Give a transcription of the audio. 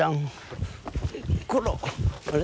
あれ？